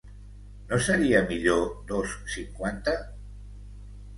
No seria millor dos cinquanta?